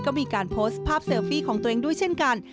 ก็มีการโพสต์ภาพเซลฟี่ของตัวเองด้วยเช่นกัน